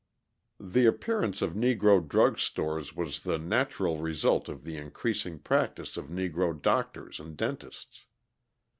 The appearance of Negro drug stores was the natural result of the increasing practice of Negro doctors and dentists.